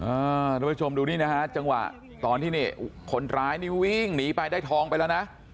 ทุกผู้ชมดูนี่นะฮะจังหวะตอนที่นี่คนร้ายนี่วิ่งหนีไปได้ทองไปแล้วนะ